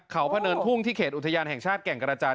เขาพะเนินทุ่งที่เขตอุทยานแห่งชาติแก่งกระจาน